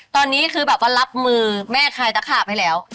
ตอนนี้คือแบบว่ารับมือแม่ใครตะขาไปแล้ว